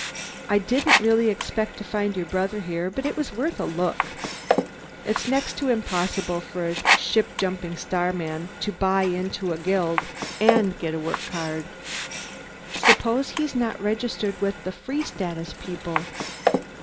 I didn't really expect to find your brother here, but it was worth a look. It's next to impossible for a ship jumping starman to buy his way into a guild and get a work card." "Suppose he's not registered with the Free Status people?"